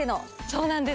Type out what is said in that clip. そうなんです